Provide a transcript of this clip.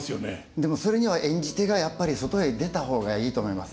でもそれには演じ手がやっぱり外へ出た方がいいと思います。